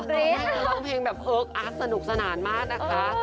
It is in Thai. เขาทำห้องเพลงแบบเอิ๊กอัตส์สนุกสนานมากนะคะ